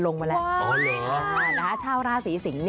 โอเคโอเคโอเคโอเค